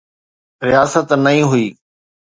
رياست نئين هئي.